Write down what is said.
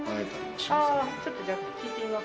ちょっとじゃあ聞いてみます。